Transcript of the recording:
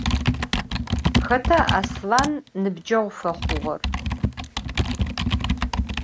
Xeta Aslhan nıbceğu fexhuğer?